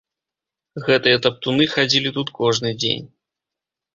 Гэтыя таптуны хадзілі тут кожны дзень.